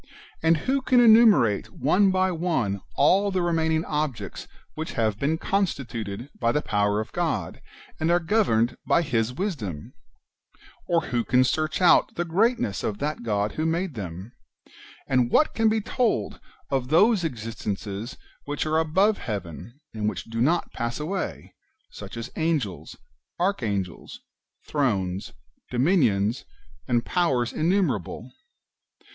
And who can enumerate one by one all the re maining objects which have been constituted by the power of God, and are governed by His wisdom ? or who can search out the greatness of that God w^ho made them ? And what i Matt. vii. 7. Book ii.] IREN^US AGAINST HERESIES. 233 can be told of those existences which are above heaven, and which do not pass away, such as Angels, Archangels, Thrones, Dominions, and Powers innumerable